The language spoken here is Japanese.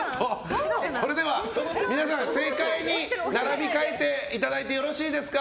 それでは皆さん正解に並び替えていただいてよろしいですか。